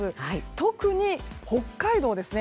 特に北海道ですね。